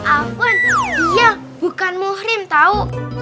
apaan iya bukan muhrim tau